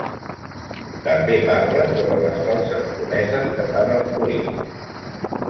També parla sobre les falses promeses que fan els polítics.